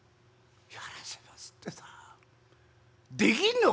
「やらせますってさできんのかい！？」。